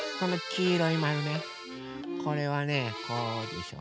これはねこうでしょ。